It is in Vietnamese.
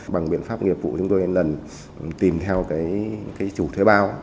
bằng biện pháp nghiệp vụ chúng tôi lần lần tìm theo chủ thuế bao